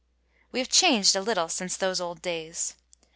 * We have changed a little since those old days.